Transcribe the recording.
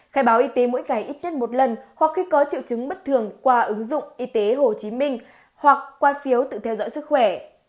khai báo y tế mỗi ngày ít nhất một lần hoặc khi có triệu chứng bất thường qua ứng dụng y tế hồ chí minh hoặc qua phiếu tự theo dõi sức khỏe